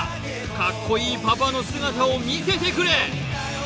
カッコいいパパの姿を見せてくれ！